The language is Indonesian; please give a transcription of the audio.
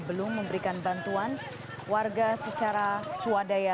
belum memberikan bantuan warga secara swadaya